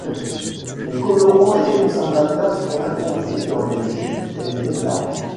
Les colorants et les conservateurs sont interdits dans les jus et les nectars.